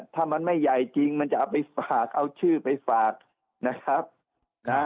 ถ้ามันไม่ใหญ่จริงมันจะเอาไปฝากเอาชื่อไปฝากนะครับนะฮะ